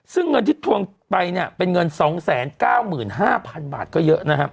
ซึ่งเงินที่ทวงไปเนี่ยเป็นเงิน๒๙๕๐๐๐บาทก็เยอะนะครับ